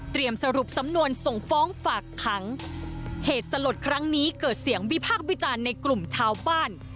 สรุปสำนวนส่งฟ้องฝากขังเหตุสลดครั้งนี้เกิดเสียงวิพากษ์วิจารณ์ในกลุ่มชาวบ้าน